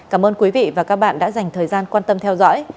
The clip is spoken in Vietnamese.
cảm ơn quý vị và các bạn đã dành thời gian quan tâm theo dõi